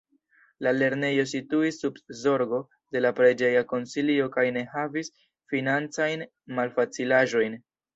La lernejo situis sub zorgo de la preĝeja konsilio kaj ne havis financajn malfacilaĵojn.